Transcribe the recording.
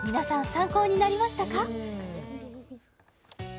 参考になりましたか？